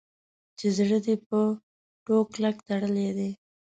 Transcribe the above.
چې زړه دې په ټوک کلک تړلی دی.